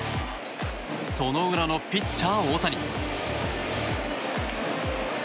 その裏のピッチャー大谷。